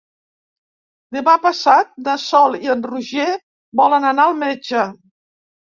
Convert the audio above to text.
Demà passat na Sol i en Roger volen anar al metge.